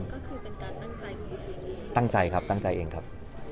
ก็คือเป็นการตั้งใจตั้งใจครับตั้งใจเองครับ